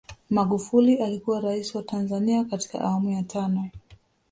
magufuli alikuwa rais wa tanzania katika awamu ya tano